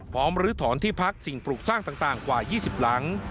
ลื้อถอนที่พักสิ่งปลูกสร้างต่างกว่า๒๐หลัง